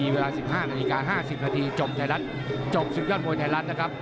เวลา๑๕นาที๕๐นาทีจบสุดยอดมวยไทยรัฐ